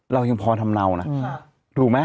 เรายังพอทำเนานะถูกไหม